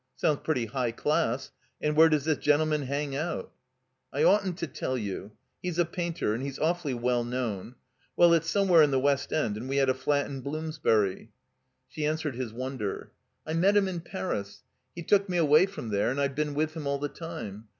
"Soimds pretty high class. And where does this gentleman hang out?" "I oughtn't to tell you. He's a painter, and he's awfully well known. Well — it's somewhere in the West End, and we had a fiat in Bloomsbtuy." 386 THE COMBINED MAZE She answered his wonder. ''I met him in Paris. He took me away from there, and I've been with him all the time.